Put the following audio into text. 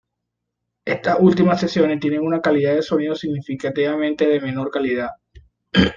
Estas últimas sesiones tienen una calidad de sonido significativamente de menor calidad.